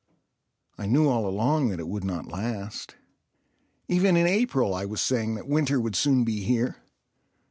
I knew all along that it would not last. Even in April I was saying that winter would soon be here.